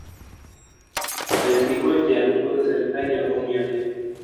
rais kikwete aliongoza serikali ya awamu ya nne